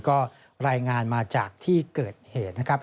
ก็รายงานมาจากที่เกิดเหตุนะครับ